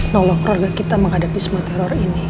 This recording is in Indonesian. nolong warga kita menghadapi semua teror ini